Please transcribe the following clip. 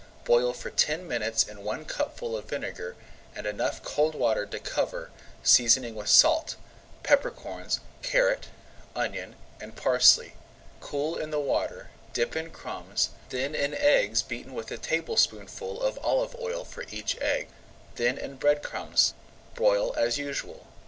Boil for ten minutes in one cupful of vinegar and enough cold water to cover, seasoning with salt, pepper corns, carrot, onion, and parsley. Cool in the water, dip in crumbs, then in eggs beaten with a tablespoonful of olive oil for each egg, then in bread crumbs. Broil as usual.